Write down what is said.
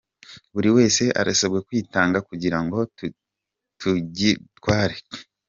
Buri wese arasabwa kwitanga kugira ngo tugitware.